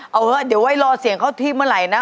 เอาเถอะเดี๋ยวไว้รอเสียงเขาที่เมื่อไหร่นะ